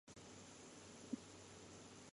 Nanen ko fowru waadi bee gudiijo.